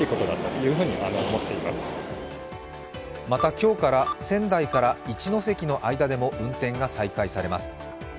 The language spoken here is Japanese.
また今日から仙台から一ノ関の間でも運転が再開されます。